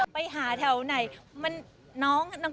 ไปหาแถวไหนน้องหาให้ค่ะ